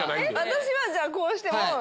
私はじゃあこうしても。